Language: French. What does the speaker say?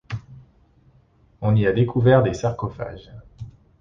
On y a découvert des sarcophages.